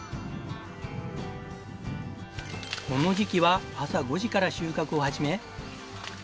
この時期は朝５時から収穫を始め。